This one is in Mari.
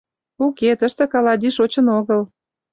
Уке, тыште калади шочын огыл.